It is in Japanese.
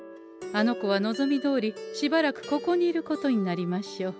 あの子は望みどおりしばらくここにいることになりましょう。